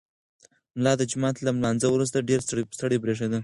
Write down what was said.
ملا د جومات له لمانځه وروسته ډېر ستړی برېښېده.